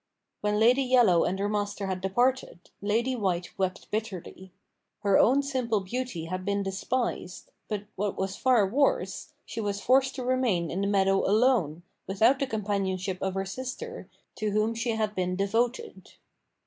When Lady Yellow and her master had departed, Lady White wept bitterly. Her own simple beauty had been despised; but what was far worse, she was forced to remain in the meadow alone, without the companionship of her sister, to whom she had been devoted.